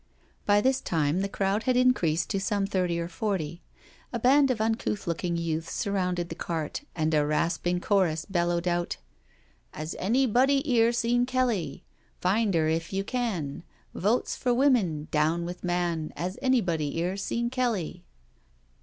By this time the crowd bftd increased to som^ thirty f I 128 NO SURRENDER or forty. A band of uncouth looking youths sur rounded the cart and a rasping chorus bellowed out : "'As anybody 'ere seen Kelly? Find 'er if you can ; Votes for Women, Down with man. 'As anybody 'ere seen Kelly